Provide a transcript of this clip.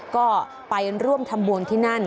ก็ไปร่วมทำบุญที่นั่น